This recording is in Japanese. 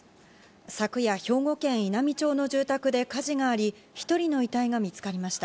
昨夜、兵庫県稲美町の住宅で火事があり、１人の遺体が見つかりました。